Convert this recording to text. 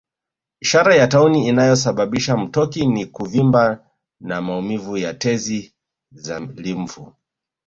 Ishara ya tauni inayosababisha mtoki ni kuvimba na maumivu ya tezi za limfu